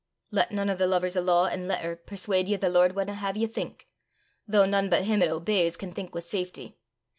"Lat nane o' the lovers o' law an' letter perswaud ye the Lord wadna hae ye think though nane but him 'at obeys can think wi' safety.